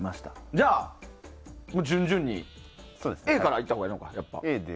じゃあ、順々にＡからいったほうがいいのか。